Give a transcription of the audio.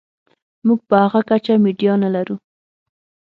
موږ په هغه کچه میډیا نلرو.